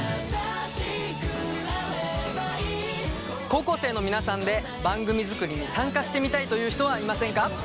高校生の皆さんで番組作りに参加してみたいという人はいませんか？